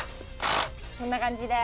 こんな感じで。